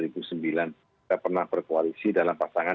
kita pernah berkoalisi dalam pasangan